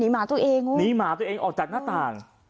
หนีหมาตัวเองออกจากหน้าต่าง